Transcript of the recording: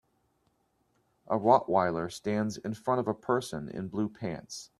A rottweiler stands in front of a person in blue pants.